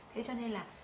thế cho nên là